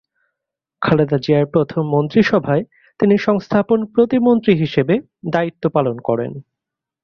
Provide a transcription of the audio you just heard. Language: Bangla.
খালেদা জিয়ার প্রথম মন্ত্রিসভায় তিনি সংস্থাপন প্রতিমন্ত্রী হিসেবে দায়িত্ব পালন করেন।